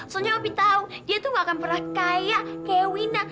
soalnya opi tau dia tuh gak akan pernah kaya kayak wina